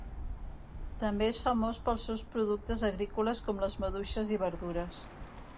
També és famós pels seus productes agrícoles com les maduixes i verdures.